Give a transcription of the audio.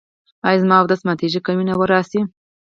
ایا زما اودس ماتیږي که وینه راشي؟